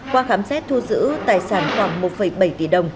qua khám xét thu giữ tài sản khoảng một bảy tỷ đồng